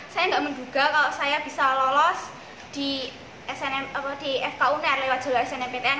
saya nggak menduga kalau saya bisa lolos di fkunr lewat jualan snmptn